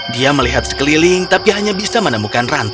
dia melihat sekeliling tapi hanya bisa menemukan rantai